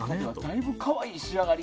だいぶ可愛い仕上がり。